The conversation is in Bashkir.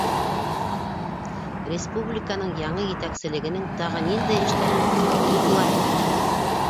Республиканың яңы етәкселегенең тағы ниндәй эштәрен хуплайһығыҙ?